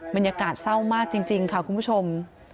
บรรยากาศเศร้ามากจริงค่ะคุณผู้ชม